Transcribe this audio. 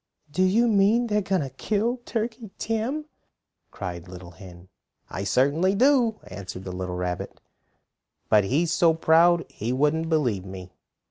"Do you mean they are going to kill Turkey Tim?" cried the little hen. "I certainly do," answered the little rabbit. "But he's so proud he wouldn't believe me.